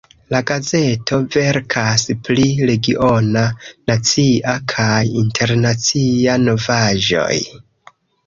La gazeto verkas pri regiona, nacia kaj internacia novaĵoj.